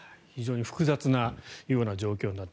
非常に複雑な状況。